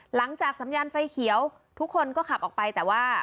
หลังจากสัญญาณไฟเขียวทุกคนก็ขับออกไปแต่ว่า